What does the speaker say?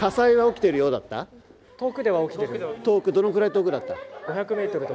どのぐらい遠くだった？